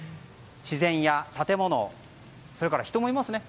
自然や建物それから人もいますね。